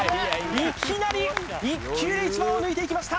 いきなり１球で１番を抜いていきました